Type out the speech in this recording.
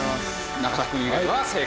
中田くん以外は正解。